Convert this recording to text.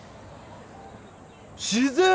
自然！